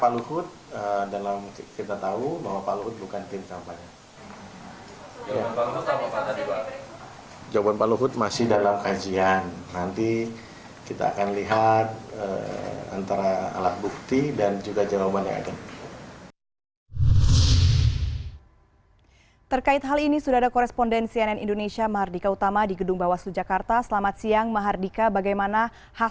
luhut bin sarpanjaitan berkata